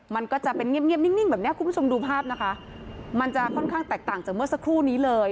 มันก็จะเป็นเงียบนิ่งแบบเนี้ยคุณผู้ชมดูภาพนะคะมันจะค่อนข้างแตกต่างจากเมื่อสักครู่นี้เลย